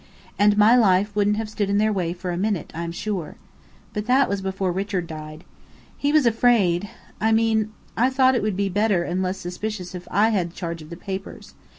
And my life wouldn't have stood in their way for a minute, I'm sure. But that was before Richard died. He was afraid I mean, I thought it would be better and less suspicious if I had charge of the papers.